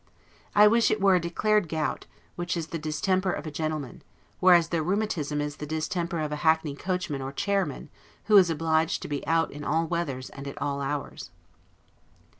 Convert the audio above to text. I wish it were a declared gout, which is the distemper of a gentleman; whereas the rheumatism is the distemper of a hackney coachman or chairman, who is obliged to be out in all weathers and at all hours.